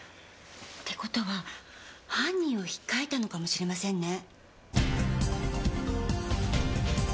ってことは犯人を引っかいたのかもしれませんね。